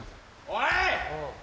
おい！